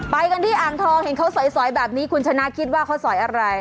ไปกันที่อ่างทองเห็นเขาสอยแบบนี้คุณชนะคิดว่าเขาสอยอะไร